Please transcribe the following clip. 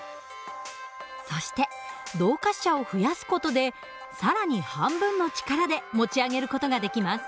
そして動滑車を増やす事で更に半分の力で持ち上げる事ができます。